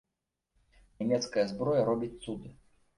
Нямецкая зброя робіць цуды.